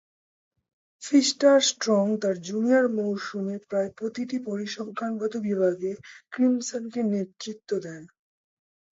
ফিস্টার-স্ট্রং তার জুনিয়র মৌসুমে প্রায় প্রতিটি পরিসংখ্যানগত বিভাগে ক্রিমসনকে নেতৃত্ব দেন।